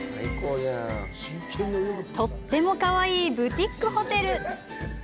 とってもかわいいブティックホテル。